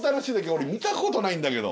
俺見たことないんだけど。